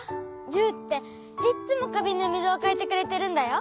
ユウっていっつもかびんのみずをかえてくれてるんだよ。